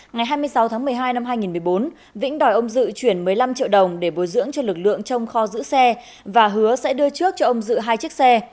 ngày hai mươi sáu tháng một mươi hai năm hai nghìn một mươi bốn vĩnh đòi ông dự chuyển một mươi năm triệu đồng để bồi dưỡng cho lực lượng trong kho giữ xe và hứa sẽ đưa trước cho ông dự hai chiếc xe